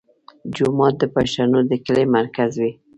جومات د پښتنو د کلي مرکز وي.